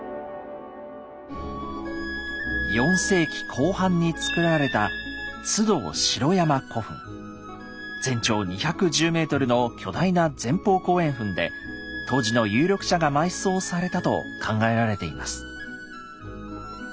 ４世紀後半につくられた全長２１０メートルの巨大な前方後円墳で当時の有力者が埋葬されたと考えられています。